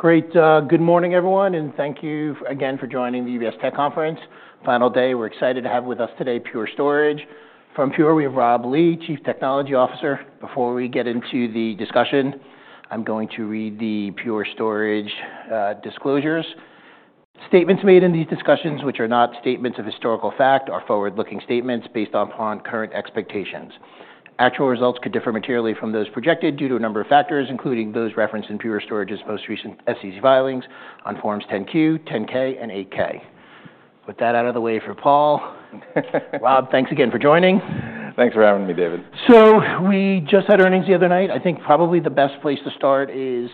Great. Good morning, everyone, and thank you again for joining the UBS Tech Conference, final day. We're excited to have with us today Pure Storage. From Pure, we have Rob Lee, Chief Technology Officer. Before we get into the discussion, I'm going to read the Pure Storage disclosures. "Statements made in these discussions, which are not statements of historical fact, are forward-looking statements based upon current expectations. Actual results could differ materially from those projected due to a number of factors, including those referenced in Pure Storage's most recent SEC filings on forms 10-Q, 10-K, and 8-K." With that out of the way for Paul, Rob, thanks again for joining. Thanks for having me, David. We just had earnings the other night. I think probably the best place to start is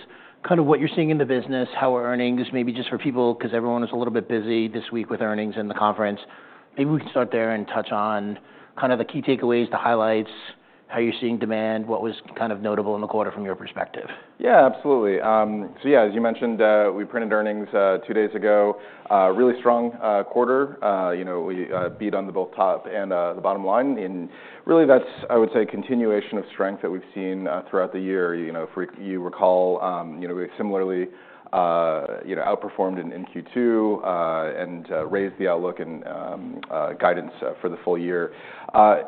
kind of what you're seeing in the business, how are earnings? Maybe just for people 'cause everyone was a little bit busy this week with earnings and the conference. Maybe we can start there and touch on kind of the key takeaways, the highlights, how you're seeing demand, what was kind of notable in the quarter from your perspective. Yeah, absolutely. As you mentioned, we printed earnings two days ago, really strong quarter. We beat on both the top and the bottom line. Really that's, I would say, a continuation of strength that we've seen throughout the year. If you recall, we've similarly outperformed in Q2 and raised the outlook and guidance for the full year.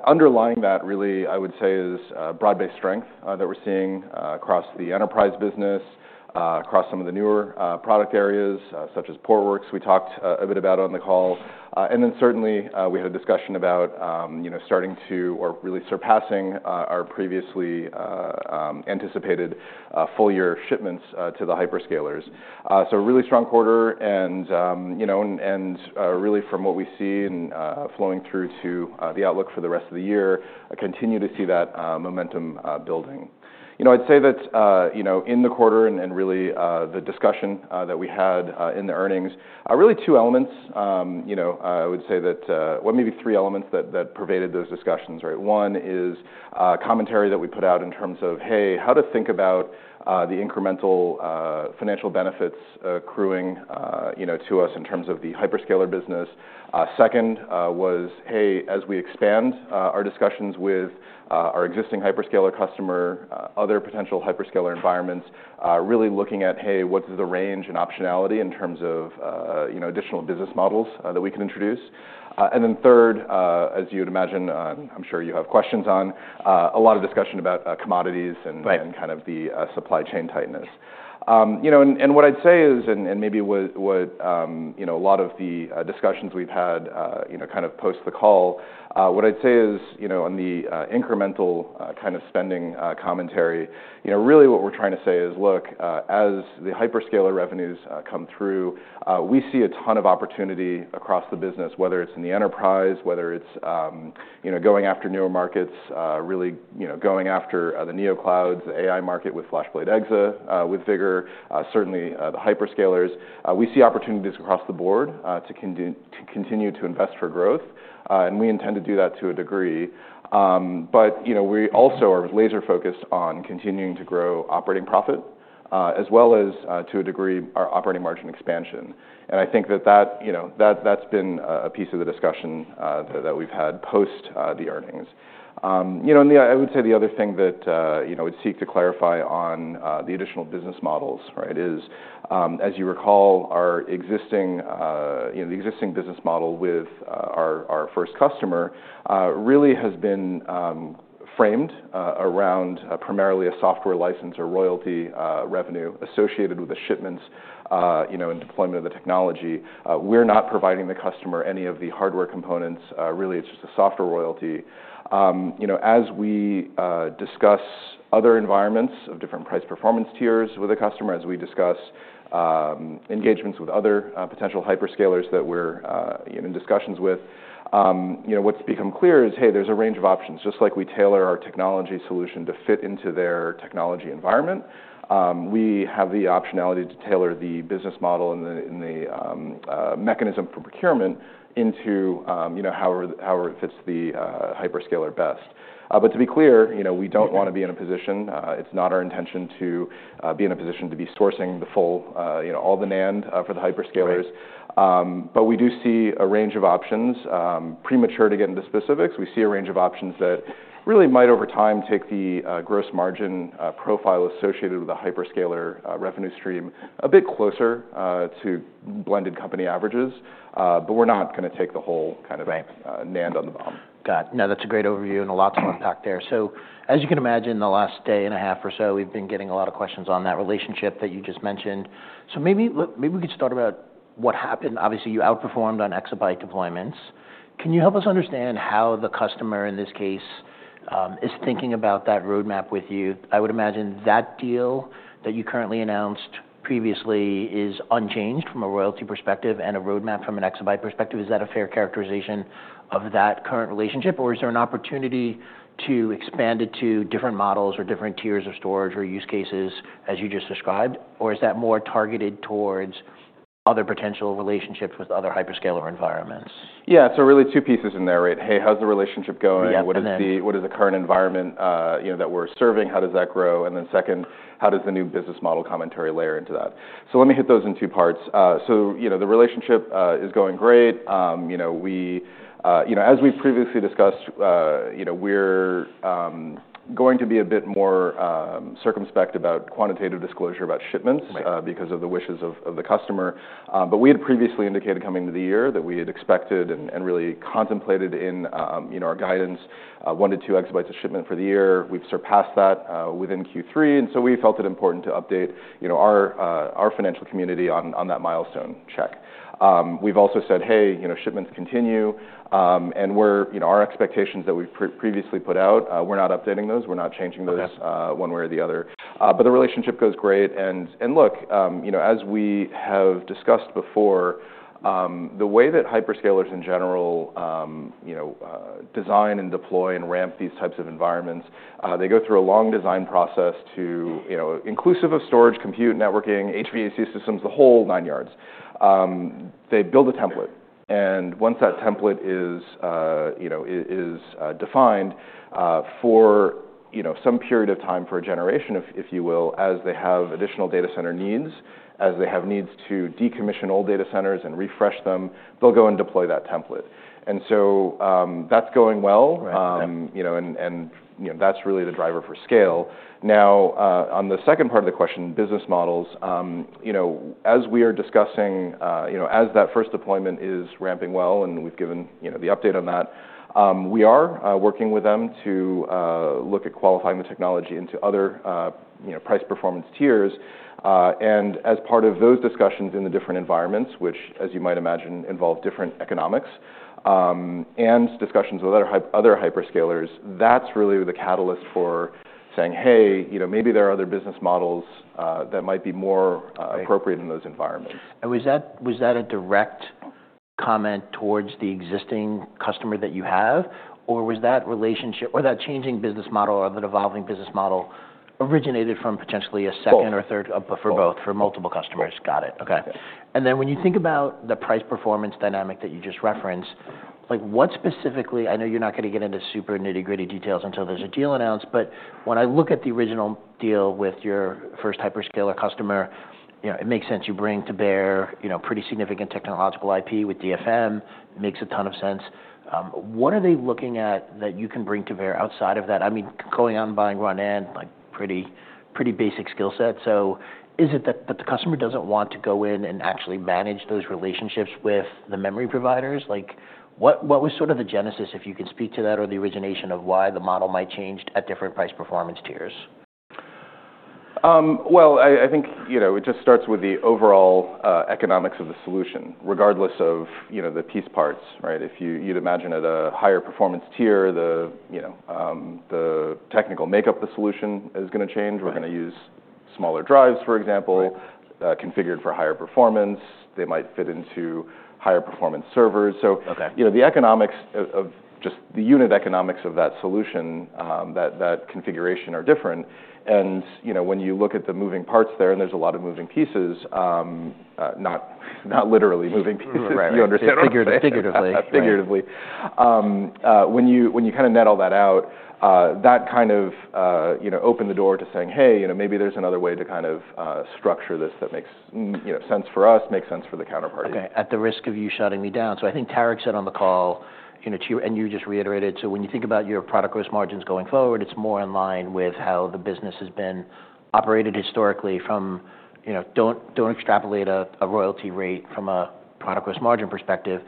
Underlying that really, I would say, is broad-based strength that we're seeing across the enterprise business, across some of the newer product areas, such as Portworx, we talked a bit about on the call. Then certainly, we had a discussion about starting to or really surpassing our previously anticipated full-year shipments to the hyperscalers. It was a really strong quarter. Really from what we see and flowing through to the outlook for the rest of the year, I continue to see that momentum building. I'd say that in the quarter and really the discussion that we had in the earnings, really two elements I would say that, well, maybe three elements that pervaded those discussions, right? One is commentary that we put out in terms of, "Hey, how to think about the incremental financial benefits accruing to us in terms of the hyperscaler business." Second was, "Hey, as we expand our discussions with our existing hyperscaler customer, other potential hyperscaler environments, really looking at, hey, what's the range and optionality in terms of additional business models that we can introduce." And then third, as you'd imagine, I'm sure you have questions on a lot of discussion about commodities and. Right. Kind of the supply chain tightness. What I'd say is, maybe what a lot of the discussions we've had, kind of post the call, what I'd say is on the incremental kind of spending commentary really what we're trying to say is, "Look, as the hyperscaler revenues come through, we see a ton of opportunity across the business, whether it's in the enterprise, whether it's going after newer markets, really going after the NeoClouds, the AI market with FlashBlade//EXA is purpose-built for the challenges of AI workloads with unmatched performance and metadata man, with Vultr, certainly the hyperscalers. We see opportunities across the board to continue to invest for growth." And we intend to do that to a degree. Butwe also are laser-focused on continuing to grow operating profit, as well as, to a degree, our operating margin expansion. And I think that's been a piece of the discussion that we've had post the earnings and I would say the other thing that we'd seek to clarify on the additional business models, right, is, as you recall, our existing business model with our first customer really has been framed around primarily a software license or royalty revenue associated with the shipments and deployment of the technology. We're not providing the customer any of the hardware components. Really, it's just a software royalty. As we discuss other environments of different price performance tiers with a customer, as we discuss engagements with other potential hyperscalers that we're in discussions with what's become clear is, "Hey, there's a range of options." Just like we tailor our technology solution to fit into their technology environment, we have the optionality to tailor the business model and the mechanism for procurement into, however it fits the hyperscaler best, but to be clear we don't wanna be in a position. It's not our intention to be in a position to be sourcing the full, all the NAND for the hyperscalers, but we do see a range of options. Premature to get into specifics, we see a range of options that really might over time take the gross margin profile associated with the hyperscaler revenue stream a bit closer to blended company averages, but we're not gonna take the whole kind of. Right. NAND on the BOM. Got it. No, that's a great overview and a lot to unpack there. As you can imagine, the last day and a half or so, we've been getting a lot of questions on that relationship that you just mentioned. Maybe we could start about what happened. Obviously, you outperformed on exabyte deployments. Can you help us understand how the customer, in this case, is thinking about that roadmap with you? I would imagine that deal that you currently announced previously is unchanged from a royalty perspective and a roadmap from an exabyte perspective. Is that a fair characterization of that current relationship, or is there an opportunity to expand it to different models or different tiers of storage or use cases as you just described, or is that more targeted towards other potential relationships with other hyperscaler environments? Yeah, so really two pieces in there, right? "Hey, how's the relationship going? Yeah. What is the current environment, that we're serving? How does that grow?" Then second, "How does the new business model commentary layer into that?" Let me hit those in two parts. You know, the relationship is going great. You know, as we previously discussed, we're going to be a bit more circumspect about quantitative disclosure about shipments. Right. Because of the wishes of the customer. But we had previously indicated coming into the year that we had expected and really contemplated in our guidance, one to two exabytes of shipment for the year. We've surpassed that within Q3. And so we felt it important to update our financial community on that milestone check. We've also said, "Hey, shipments continue." and our expectations that we've previously put out. We're not updating those. We're not changing those. Okay. One way or the other. But the relationship goes great. Look as we have discussed before, the way that hyperscalers in general design and deploy and ramp these types of environments, they go through a long design process to inclusive of storage, compute, networking, HVAC systems, the whole nine yards. They build a template. And once that template is defined, for some period of time for a generation if you will, as they have additional data center needs, as they have needs to decommission old data centers and refresh them, they'll go and deploy that template. Tthat's going well. Right. You know, and that's really the driver for scale. Now, on the second part of the question, business models, as we are discussing that first deployment is ramping well and we've given the update on that, we are working with them to look at qualifying the technology into other price performance tiers. And as part of those discussions in the different environments, which as you might imagine involve different economics, and discussions with other hyperscalers, that's really the catalyst for saying, "Hey, maybe there are other business models that might be more appropriate in those environments. Was that, was that a direct comment towards the existing customer that you have, or was that relationship, or that changing business model or the evolving business model originated from potentially a second or third? Second. but for both, for multiple customers? Yes. Got it. Okay. Yep. And then when you think about the price performance dynamic that you just referenced, like, what specifically I know you're not gonna get into super nitty-gritty details until there's a deal announced, but when I look at the original deal with your first hyperscaler customer, it makes sense you bring to bear pretty significant technological IP with DFM. Makes a ton of sense. What are they looking at that you can bring to bear outside of that? Going out and buying run-of-the-mill, like, pretty basic skill set. Is it that the customer doesn't want to go in and actually manage those relationships with the memory providers? Like, what was sort of the genesis, if you could speak to that, or the origination of why the model might change at different price performance tiers? Well, I think it just starts with the overall economics of the solution, regardless of the piece parts, right? If you, you'd imagine at a higher performance tier, the technical makeup of the solution is gonna change. Right. We're gonna use smaller drives, for example, configured for higher performance. They might fit into higher performance servers. Okay. You know, the economics of just the unit economics of that solution, that configuration are different and when you look at the moving parts there, and there's a lot of moving pieces, not literally moving pieces. Right. You understand? Figuratively. Figuratively. Figuratively. When you kind of net all that out, that kind of opened the door to saying, "Hey, maybe there's another way to kind of structure this that makes sense for us, makes sense for the counterparty. Okay. At the risk of you shutting me down I think Tarek said on the call to you, and you just reiterated, "When you think about your product gross margins going forward, it's more in line with how the business has been operated historically from don't extrapolate a royalty rate from a product gross margin perspective."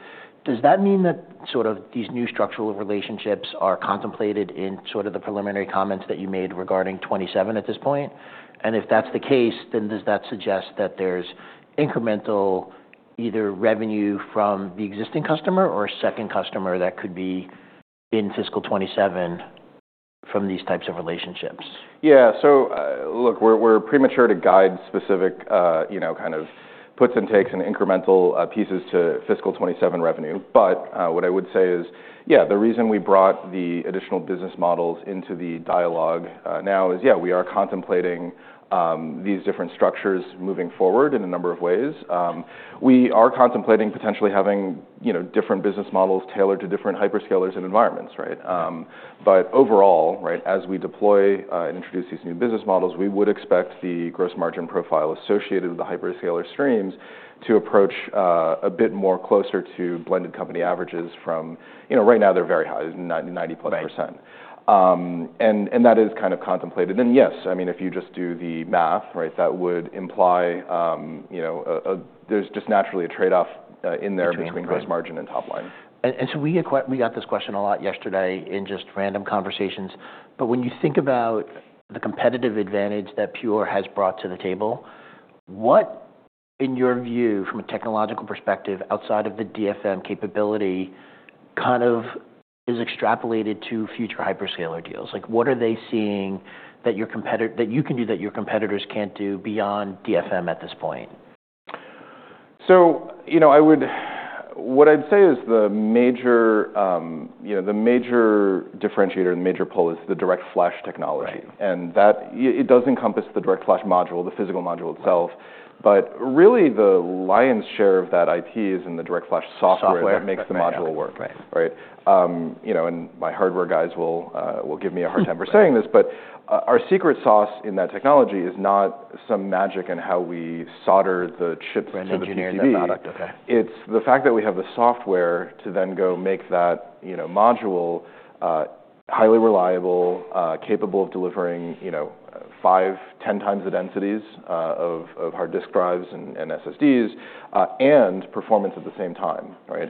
Does that mean that sort of these new structural relationships are contemplated in sort of the preliminary comments that you made regarding 2027 at this point? And if that's the case, then does that suggest that there's incremental either revenue from the existing customer or a second customer that could be in fiscal 2027 from these types of relationships? Yeah. Look, we're premature to guide specific kind of puts and takes and incremental pieces to fiscal 2027 revenue. But what I would say is, yeah, the reason we brought the additional business models into the dialogue now is, yeah, we are contemplating these different structures moving forward in a number of ways. We are contemplating potentially having different business models tailored to different hyperscalers and environments, right? But overall, right, as we deploy and introduce these new business models, we would expect the gross margin profile associated with the hyperscaler streams to approach a bit more closer to blended company averages from right now they're very high, 90-90-plus%. Right. And that is kind of contemplated. And yes. If you just do the math, right, that would imply there's just naturally a trade-off in there between gross margin and top line. We got this question a lot yesterday in just random conversations. But when you think about the competitive advantage that Pure has brought to the table, what in your view, from a technological perspective, outside of the DFM capability, kind of is extrapolated to future hyperscaler deals? Like, what are they seeing that you can do that your competitors can't do beyond DFM at this point? You know, what I'd say is the major differentiator and major pull is the DirectFlash technology. Right. It does encompass the DirectFlash Module, the physical module itself, but really the lion's share of that IP is in the DirectFlash software. Software. That makes the module work. Right. Right? You know, and my hardware guys will give me a hard time for saying this, but our secret sauce in that technology is not some magic in how we solder the chips to the CPU. Right. Engineering the product. Okay. It's the fact that we have the software to then go make that module, highly reliable, capable of delivering five, 10 times the densities of hard disk drives and SSDs, and performance at the same time, right?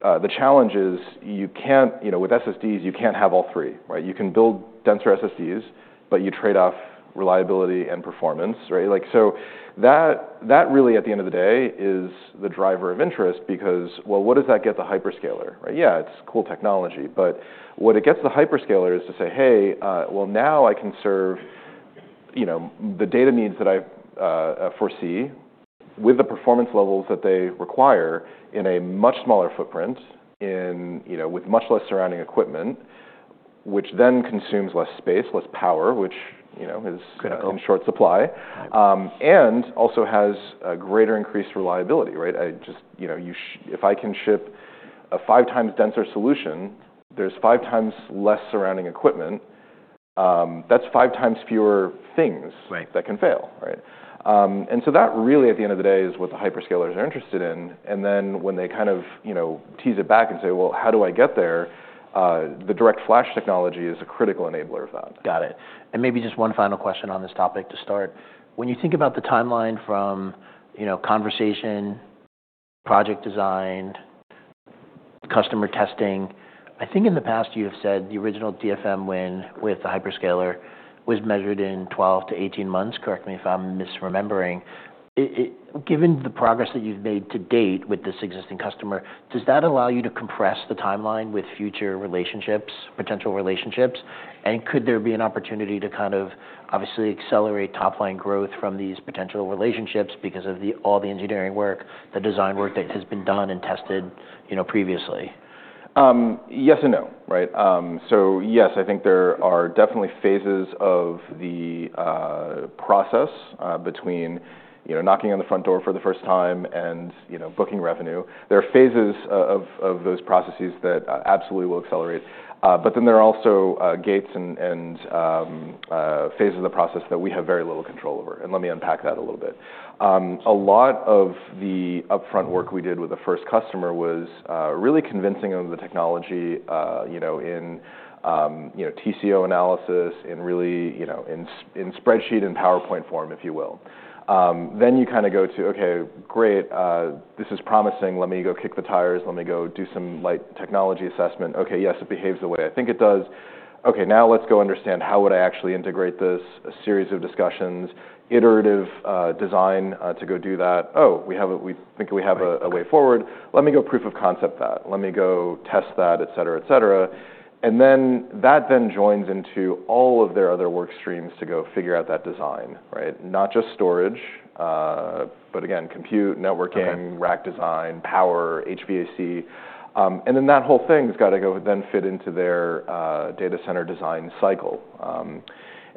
The challenge is you can't with SSDs, you can't have all three, right? You can build denser SSDs, but you trade off reliability and performance, right? Like that really, at the end of the day, is the driver of interest because, well, what does that get the hyperscaler, right? Yeah, it's cool technology. But what it gets the hyperscaler is to say, "Hey, well, now I can serve the data needs that I, foresee with the performance levels that they require in a much smaller footprint, in with much less surrounding equipment, which then consumes less space, less power, which is in short supply. Good. and also has a greater increased reliability, right? I just if I can ship a five times denser solution, there's five times less surrounding equipment. That's five times fewer things. Right. That can fail, right? And that really, at the end of the day, is what the hyperscalers are interested in. And then when they kind of tease it back and say, "Well, how do I get there?," the direct flash technology is a critical enabler of that. Got it. And maybe just one final question on this topic to start. When you think about the timeline from conversation, project design, customer testing, I think in the past you have said the original DFM win with the hyperscaler was measured in 12-18 months. Correct me if I'm misremembering. Given the progress that you've made to date with this existing customer, does that allow you to compress the timeline with future relationships, potential relationships? And could there be an opportunity to kind of, obviously, accelerate top line growth from these potential relationships because of all the engineering work, the design work that has been done and tested previously? Yes and no, right? Yes, I think there are definitely phases of the process between knocking on the front door for the first time and booking revenue. There are phases of those processes that absolutely will accelerate. But then there are also gates and phases of the process that we have very little control over. Let me unpack that a little bit. A lot of the upfront work we did with the first customer was really convincing of the technology in TCO analysis in really in spreadsheet and PowerPoint form if you will. Then you kind of go to "Okay. Great. This is promising. Let me go kick the tires. Let me go do some light technology assessment. Okay. Yes, it behaves the way I think it does. Okay. Now let's go understand how would I actually integrate this, a series of discussions, iterative design, to go do that. Oh, we think we have a way forward. Let me go proof of concept that. Let me go test that," etc., etc. And then that joins into all of their other work streams to go figure out that design, right? Not just storage, but again, compute, networking. Right. Rack design, power, HVAC, and then that whole thing's gotta go then fit into their data center design cycle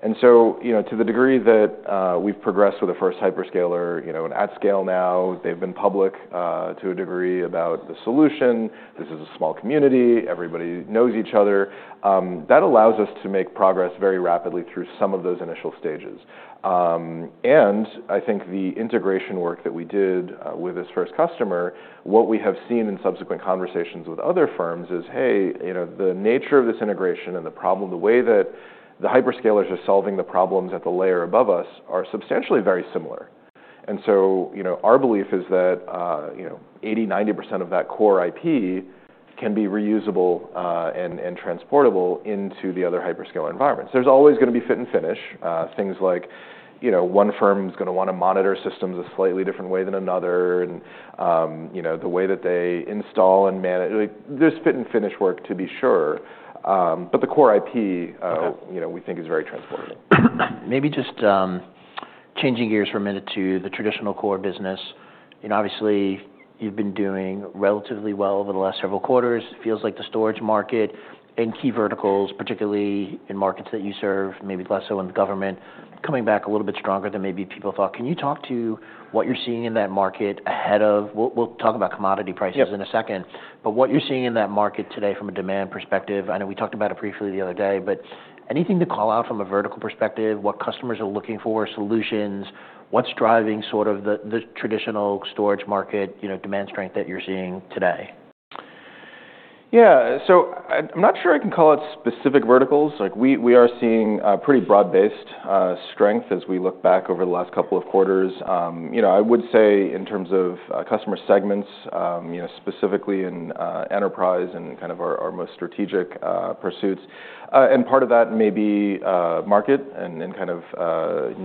to the degree that we've progressed with the first hyperscaler and at scale now, they've been public, to a degree, about the solution. This is a small community. Everybody knows each other. That allows us to make progress very rapidly through some of those initial stages. And I think the integration work that we did, with this first customer, what we have seen in subsequent conversations with other firms is, "Hey, the nature of this integration and the problem, the way that the hyperscalers are solving the problems at the layer above us are substantially very similar." And our belief is that 80%-90% of that core IP can be reusable, and, and transportable into the other hyperscaler environments. There's always gonna be fit and finish, things like one firm's gonna wanna monitor systems a slightly different way than another, and the way that they install and manage, like, there's fit and finish work to be sure. But the core IP, Okay. You know, we think is very transportable. Maybe just changing gears for a minute to the traditional core business. You know, obviously, you've been doing relatively well over the last several quarters. It feels like the storage market and key verticals, particularly in markets that you serve, maybe less so in the government, coming back a little bit stronger than maybe people thought. Can you talk to what you're seeing in that market ahead of we'll talk about commodity prices. Yes. In a second. But what you're seeing in that market today from a demand perspective, I know we talked about it briefly the other day, but anything to call out from a vertical perspective, what customers are looking for, solutions, what's driving sort of the traditional storage market demand strength that you're seeing today? Yeah. I'm not sure I can call it specific verticals. Like, we are seeing pretty broad-based strength as we look back over the last couple of quarters. You know, I would say in terms of customer segments specifically in enterprise and kind of our most strategic pursuits. And part of that may be market and kind of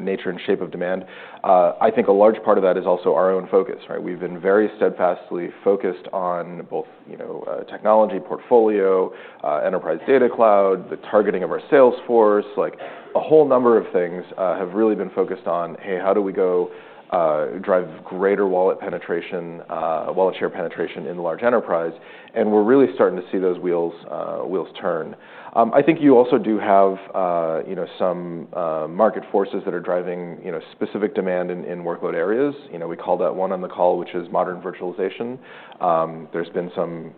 nature and shape of demand. I think a large part of that is also our own focus, right? We've been very steadfastly focused on both technology portfolio, Enterprise Data Cloud, the targeting of our sales force, like a whole number of things, have really been focused on, "Hey, how do we go drive greater wallet penetration, wallet share penetration in the large enterprise?" And we're really starting to see those wheels turn. I think you also do have some market forces that are driving specific demand in workload areas. You know, we call that one on the call, which is modern virtualization. There's been some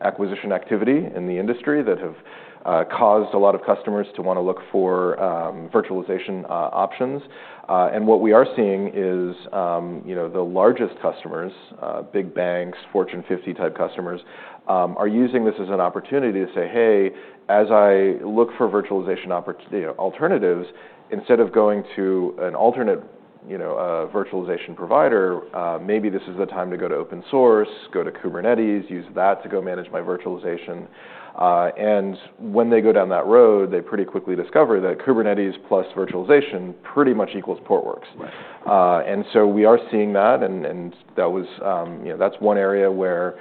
acquisition activity in the industry that have caused a lot of customers to wanna look for virtualization options. And what we are seeing is the largest customers, big banks, Fortune 50-type customers, are using this as an opportunity to say, "Hey, as I look for virtualization opportunities, alternatives, instead of going to an alternate, virtualization provider, maybe this is the time to go to open source, go to Kubernetes, use that to go manage my virtualization." And when they go down that road, they pretty quickly discover that Kubernetes plus virtualization pretty much equals Portworx. Right. And we are seeing that, and that was that's one area where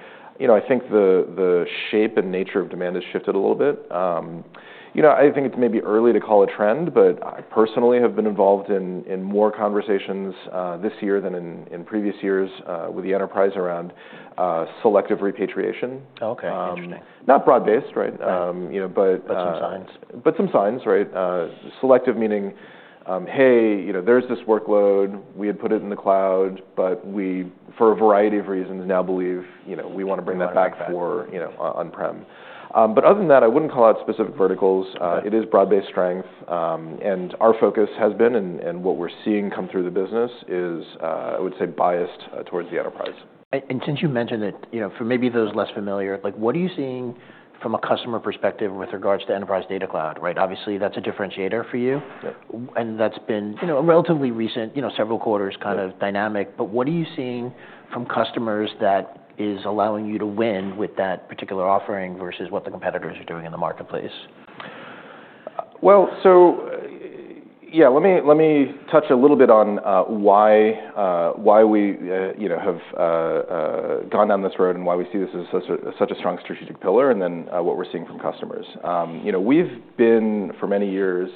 I think the shape and nature of demand has shifted a little bit. You know, I think it's maybe early to call a trend, but I personally have been involved in more conversations this year than in previous years with the enterprise around selective repatriation. Okay. Interesting. not broad-based, right? Right. You know, but, But some signs. But some signs, right? Selectively meaning, "Hey, there's this workload. We had put it in the cloud, but we, for a variety of reasons, now believe, we wanna bring that back for on-prem. Right. But other than that, I wouldn't call out specific verticals. Okay. It is broad-based strength, and our focus has been, and what we're seeing come through the business is, I would say, biased towards the enterprise. And since you mentioned it for maybe those less familiar, like, what are you seeing from a customer perspective with regards to Enterprise Data Cloud, right? Obviously, that's a differentiator for you. Yep. That's been a relatively recent several quarters kind of dynamic. But what are you seeing from customers that is allowing you to win with that particular offering versus what the competitors are doing in the marketplace? Yeah, let me touch a little bit on why we have gone down this road and why we see this as such a strong strategic pillar and then what we're seeing from customers. You know, we've been for many years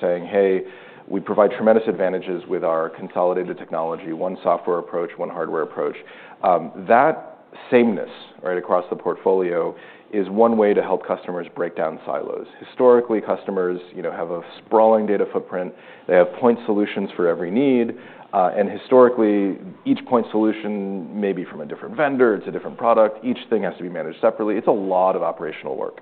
saying, "Hey, we provide tremendous advantages with our consolidated technology, one software approach, one hardware approach." That sameness, right, across the portfolio is one way to help customers break down silos. Historically, customers have a sprawling data footprint. They have point solutions for every need, and historically, each point solution may be from a different vendor. It's a different product. Each thing has to be managed separately. It's a lot of operational work.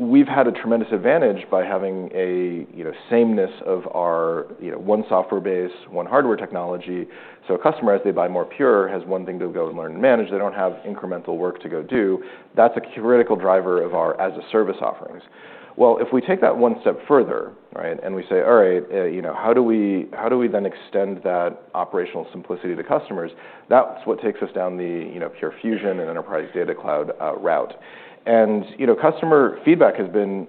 We've had a tremendous advantage by having a sameness of our one software base, one hardware technology. Amcustomer, as they buy more Pure, has one thing to go and learn and manage. They don't have incremental work to go do. That's a critical driver of our as-a-service offerings. Well, if we take that one step further, right, and we say, "All right, how do we then extend that operational simplicity to customers?" That's what takes us down the Pure Fusion and Enterprise Data Cloud, route. And customer feedback has been,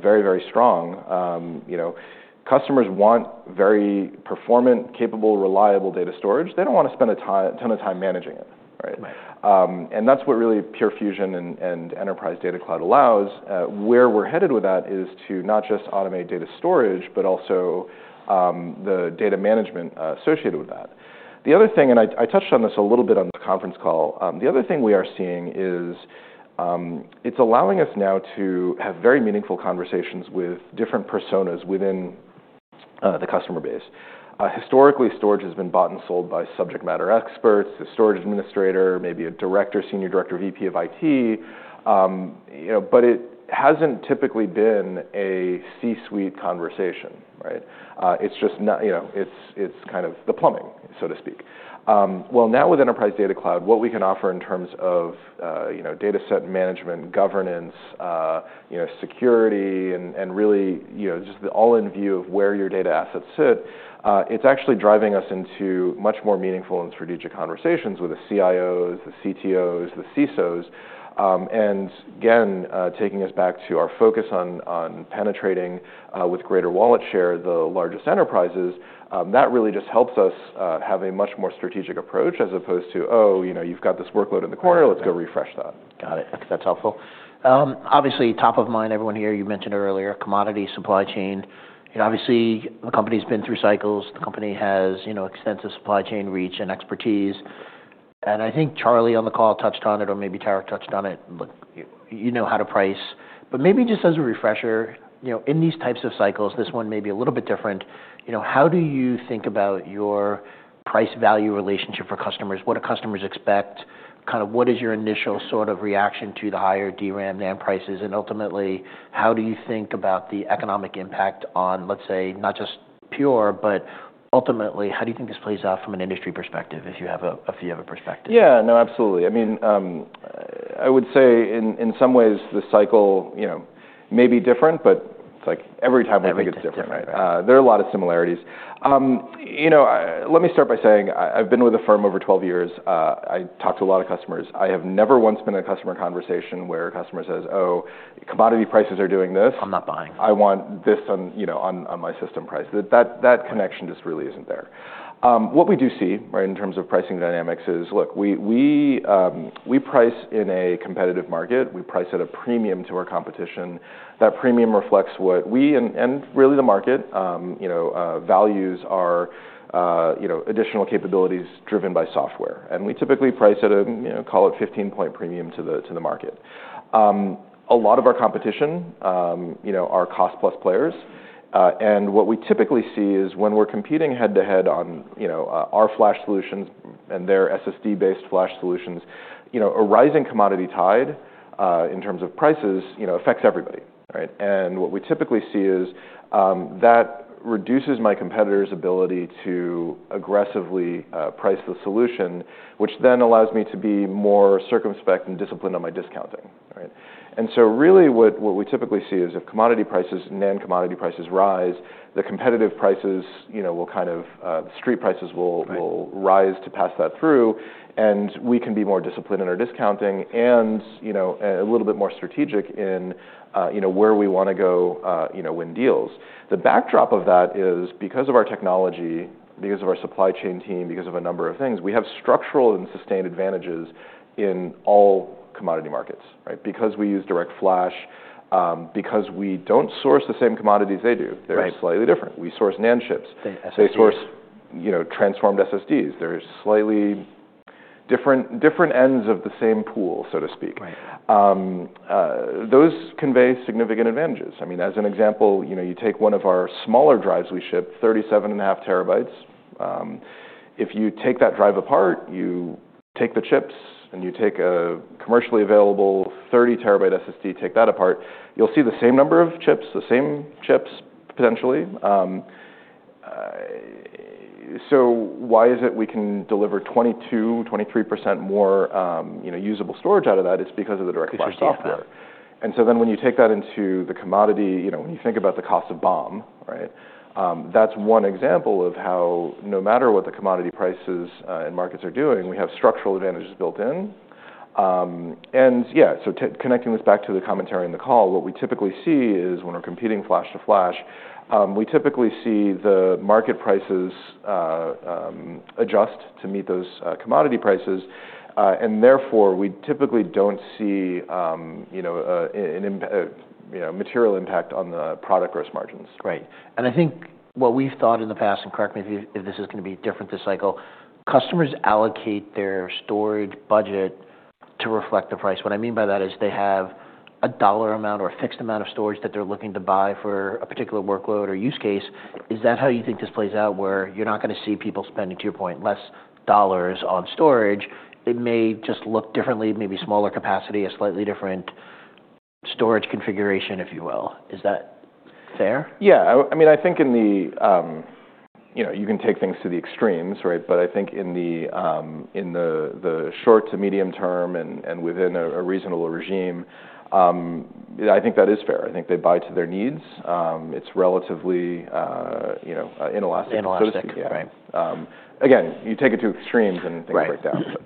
very, very strong. You know, customers want very performant, capable, reliable data storage. They don't wanna spend a ton of time managing it, right? Right. And that's what really Pure Fusion and Enterprise Data Cloud allows. Where we're headed with that is to not just automate data storage, but also the data management associated with that. The other thing, and I touched on this a little bit on the conference call, the other thing we are seeing is it's allowing us now to have very meaningful conversations with different personas within the customer base. Historically, storage has been bought and sold by subject matter experts, a storage administrator, maybe a director, senior director, VP of IT but it hasn't typically been a C-suite conversation, right? It's just not, it's kind of the plumbing so to speak. Well, now with Enterprise Data Cloud, what we can offer in terms of data set management, governance security, and really just the all-in view of where your data assets sit, it's actually driving us into much more meaningful and strategic conversations with the CIOs, the CTOs, the CISOs. And again, taking us back to our focus on penetrating, with greater wallet share the largest enterprises, that really just helps us have a much more strategic approach as opposed to, "Oh, you've got this workload in the corner. Let's go refresh that. Got it. That's helpful. Obviously, top of mind, everyone here, you mentioned earlier, commodity supply chain. You know, obviously, the company's been through cycles. The company has extensive supply chain reach and expertise, and I think Charlie on the call touched on it, or maybe Tarek touched on it. Look how to price. But maybe just as a refresher, in these types of cycles, this one may be a little bit different, how do you think about your price-value relationship for customers? What do customers expect? Kind of what is your initial sort of reaction to the higher DRAM prices? And ultimately, how do you think about the economic impact on, let's say, not just Pure, but ultimately, how do you think this plays out from an industry perspective if you have a few other perspectives? Yeah. No, absolutely. I would say in some ways, the cycle may be different, but it's like every time we think it's different. Every time, right? There are a lot of similarities. You know, let me start by saying I've been with the firm over 12 years. I talk to a lot of customers. I have never once been in a customer conversation where a customer says, "Oh, commodity prices are doing this. I'm not buying. I want this on my system price." That connection just really isn't there. What we do see, right, in terms of pricing dynamics is, look, we price in a competitive market. We price at a premium to our competition. That premium reflects what we and really the market, values our additional capabilities driven by software. And we typically price at a call it 15-point premium to the market. A lot of our competition are cost-plus players. And what we typically see is when we're competing head-to-head on our flash solutions and their SSD-based flash solutions a rising commodity tide, in terms of prices affects everybody, right? What we typically see is that reduces my competitor's ability to aggressively price the solution, which then allows me to be more circumspect and disciplined on my discounting, right? Really what we typically see is if commodity prices, non-commodity prices rise, the competitive prices will kind of, the street prices will rise to pass that through, and we can be more disciplined in our discounting and a little bit more strategic in where we wanna go win deals. The backdrop of that is because of our technology, because of our supply chain team, because of a number of things, we have structural and sustained advantages in all commodity markets, right? Because we use direct flash, because we don't source the same commodities they do. Right. They're slightly different. We source non-chips. They SSDs. They source transformed SSDs. They're slightly different, different ends of the same pool, so to speak. Those convey significant advantages. As an example, you take one of our smaller drives we ship, 37 and a half terabytes. If you take that drive apart, you take the chips and you take a commercially available 30-terabyte SSD, take that apart, you'll see the same number of chips, the same chips potentially. Why is it we can deliver 22%-23% more usable storage out of that? It's because of the DirectFlash software. And then when you take that into the commodity when you think about the cost of BOM, right, that's one example of how no matter what the commodity prices and markets are doing, we have structural advantages built in. Yeah, tying this back to the commentary in the call, what we typically see is when we're competing flash to flash, we typically see the market prices adjust to meet those commodity prices. And therefore we typically don't see an immediate material impact on the product gross margins. Right, and I think what we've thought in the past, and correct me if you if this is gonna be different this cycle, customers allocate their storage budget to reflect the price. What I mean by that is they have a dollar amount or a fixed amount of storage that they're looking to buy for a particular workload or use case. Is that how you think this plays out where you're not gonna see people spending, to your point, less dollars on storage? It may just look differently, maybe smaller capacity, a slightly different storage configuration, if you will. Is that fair? Yeah. I think you can take things to the extremes, right? But I think in the short to medium term and within a reasonable regime, I think that is fair. I think they buy to their needs. It's relatively inelastic. Inelastic, yeah. So to speak, right? Again, you take it to extremes and things like that. Right.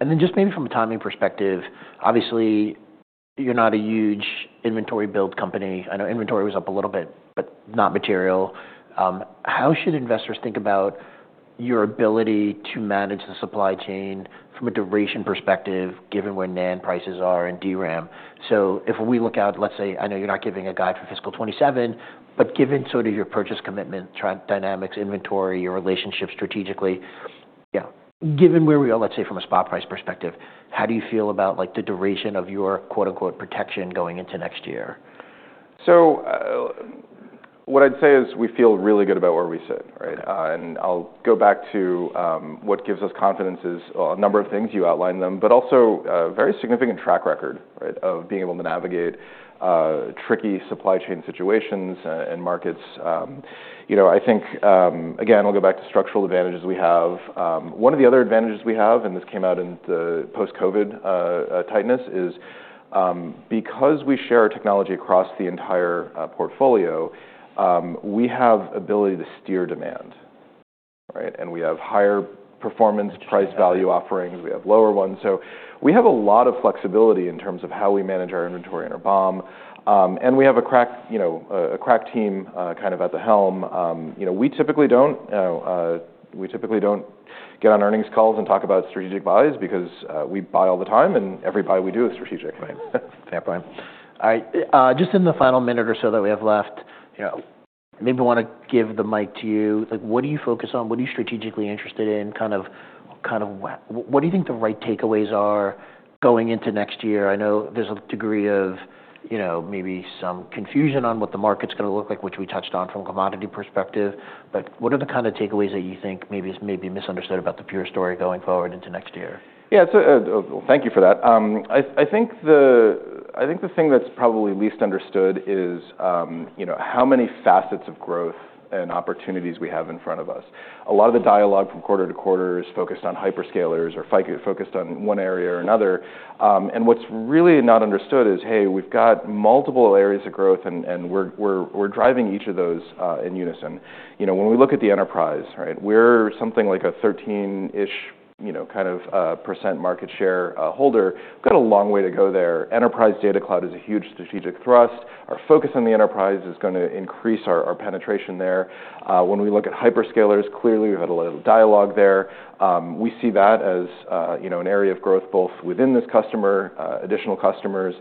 And then just maybe from a timing perspective, obviously, you're not a huge inventory build company. I know inventory was up a little bit, but not material. How should investors think about your ability to manage the supply chain from a duration perspective, given where NAND prices are and DRAM? If we look out, let's say, I know you're not giving a guide for fiscal 2027, but given sort of your purchase commitment, supply dynamics, inventory, your strategic relationships, yeah, given where we are, let's say, from a spot price perspective, how do you feel about, like, the duration of your, quote-unquote, “protection” going into next year? What I'd say is we feel really good about where we sit, right? And I'll go back to what gives us confidence is a number of things. You outlined them, but also very significant track record, right, of being able to navigate tricky supply chain situations and markets. You know, I think, again, I'll go back to structural advantages we have. One of the other advantages we have, and this came out in the post-COVID tightness, is because we share our technology across the entire portfolio, we have ability to steer demand, right? And we have higher performance price value offerings. We have lower ones. We have a lot of flexibility in terms of how we manage our inventory and our BOM. And we have a crack team, kind of at the helm. You know we typically don't get on earnings calls and talk about strategic buys because we buy all the time, and every buy we do is strategic. Right. Standpoint. I just in the final minute or so that we have left maybe wanna give the mic to you. Like, what do you focus on? What are you strategically interested in? Kind of, kind of what do you think the right takeaways are going into next year? I know there's a degree of some confusion on what the market's gonna look like, which we touched on from a commodity perspective. But what are the kind of takeaways that you think maybe is misunderstood about the Pure story going forward into next year? Yeah. Thank you for that. I think the thing that's probably least understood is how many facets of growth and opportunities we have in front of us. A lot of the dialogue from quarter to quarter is focused on hyperscalers or focused on one area or another, and what's really not understood is, hey, we've got multiple areas of growth and we're driving each of those in unison. You know, when we look at the enterprise, right, we're something like a 13-ish% kind of, market share holder. We've got a long way to go there. Enterprise Data Cloud is a huge strategic thrust. Our focus on the enterprise is gonna increase our penetration there. When we look at hyperscalers, clearly we've had a lot of dialogue there. We see that an area of growth both within this customer, additional customers.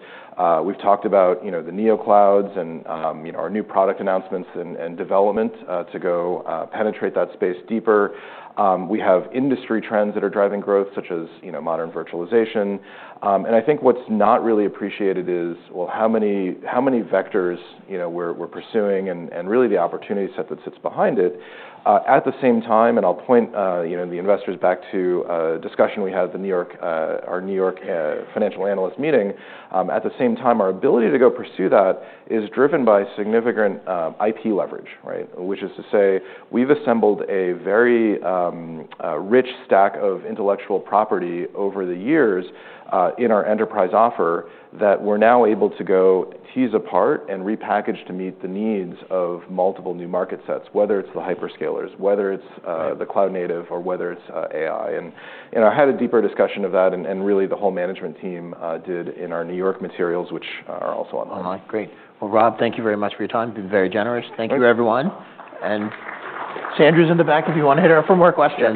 We've talked about the NeoClouds and our new product announcements and development to go penetrate that space deeper. We have industry trends that are driving growth, such as modern virtualization. I think what's not really appreciated is, well, how many vectors, we're pursuing and really the opportunity set that sits behind it. At the same time, I'll point, the investors back to discussion we had at the New York, our New York financial analyst meeting. At the same time, our ability to go pursue that is driven by significant IP leverage, right? Which is to say we've assembled a very rich stack of intellectual property over the years in our enterprise offer that we're now able to go tease apart and repackage to meet the needs of multiple new market sets, whether it's the hyperscalers, whether it's the cloud native, or whether it's AI, and I had a deeper discussion of that and really the whole management team did in our New York materials, which are also online. Online. Great, well, Rob, thank you very much for your time. You've been very generous. Thank you, everyone, and Sandra's in the back if you wanna hit her for more questions.